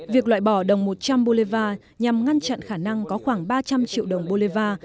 việc loại bỏ đồng một trăm linh bolivar nhằm ngăn chặn khả năng có khoảng ba trăm linh triệu đồng bolivar